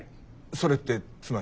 それってつまり。